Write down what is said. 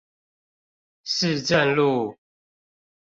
市政路